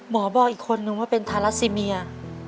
บอกอีกคนนึงว่าเป็นทารัสซีเมีย